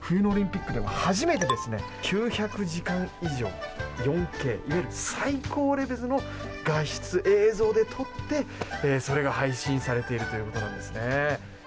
冬のオリンピックでは初めて９００時間以上、４Ｋ、最高レベルの画質・映像で撮ってそれが配信されているということなんですね。